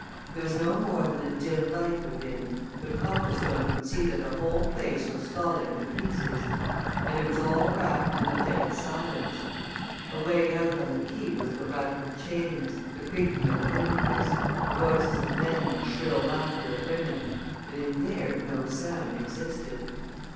There was no more than a dim light within, but Copplestone could see that the whole place was falling to pieces. And it was all wrapped in a dead silence. Away out on the quay was the rattle of chains, the creaking of a windlass, the voices of men and shrill laughter of women, but in there no sound existed.